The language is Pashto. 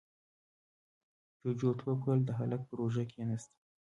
جُوجُو ټوپ کړل، د هلک پر اوږه کېناست: